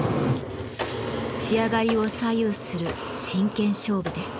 仕上がりを左右する真剣勝負です。